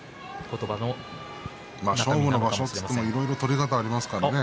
勝負の場所といっても取り方がありますからね。